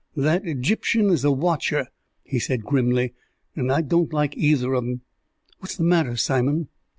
"That Egyptian is a watcher," he said grimly, "and I don't like either of 'em." "What's the matter, Simon?"